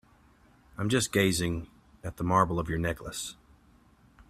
I'm just gazing at the marble of your necklace.